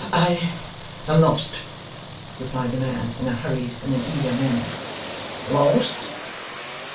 'I am lost!' replied the man, in a hurried and an eager manner. 'Lost?